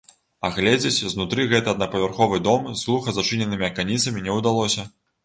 Агледзець знутры гэты аднапавярховы дом з глуха зачыненымі аканіцамі не ўдалося.